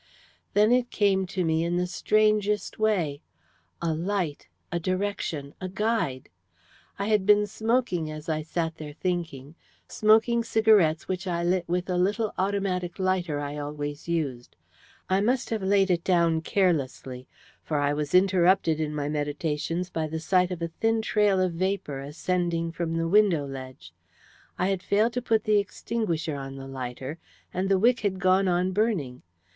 "Then it came to me in the strangest way a light, a direction, a guide. I had been smoking as I sat there thinking smoking cigarettes which I lit with a little automatic lighter I always used. I must have laid it down carelessly, for I was interrupted in my meditations by the sight of a thin trail of vapour ascending from the window ledge. I had failed to put the extinguisher on the lighter, and the wick had gone on burning.